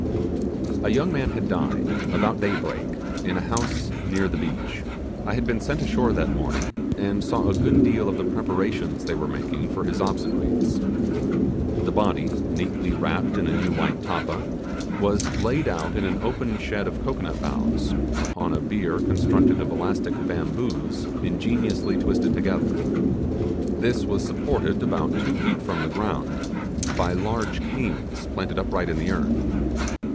A young man had died, about daybreak, in a house near the beach. I had been sent ashore that morning, and saw a good deal of the preparations they were making for his obsequies. The body, neatly wrapped in a new white tappa, was laid out in an open shed of cocoanut boughs, upon a bier constructed of elastic bamboos ingeniously twisted together. This was supported about two feet from the ground, by large canes planted uprightly in the earth.